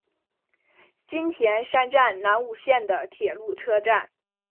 津田山站南武线的铁路车站。